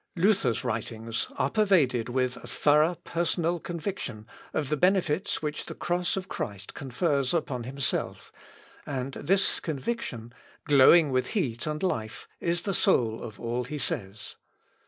Luther's writings are pervaded with a thorough personal conviction of the benefits which the cross of Christ confers upon himself, and this conviction, glowing with heat and life, is the soul of all he says.